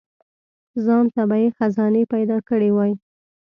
ځانته به یې خزانې پیدا کړي وای.